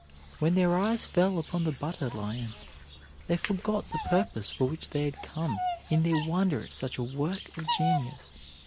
When their eyes fell upon the butter lion, they forgot the purpose for which they had come in their wonder at such a work of genius.